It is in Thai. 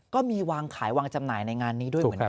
ก็มีวางขายวางจำหน่ายในงานนี้ด้วยเหมือนกัน